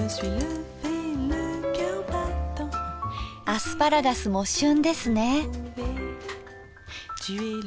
アスパラガスも旬ですね。